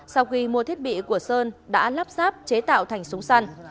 sau khi mua thiết bị của sơn đã lắp sáp chế tạo thành súng săn